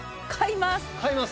買います。